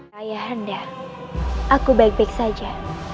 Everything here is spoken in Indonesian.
kaya rendah aku baik baik saja